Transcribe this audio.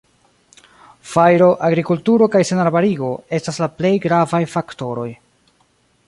Fajro, agrikulturo kaj senarbarigo estas la plej gravaj faktoroj.